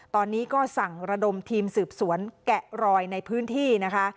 ตอนนี้ก็สั่งระดมทีมสืบสวนแกะรอยในพื้นที่นะคะ